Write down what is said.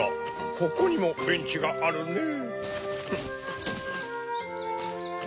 ここにもベンチがあるねぇ。